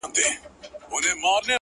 • بيا به يې خپه اشـــــــــــــنا؛